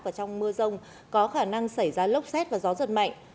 và trong mưa rông có khả năng xảy ra lốc xét và gió giật mạnh